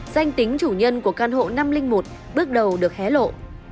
danh tính chủ nhân của căn hộ năm trăm linh một bước đầu được hé lộ